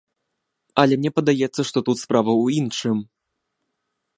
Але мне падаецца, што тут справа ў іншым.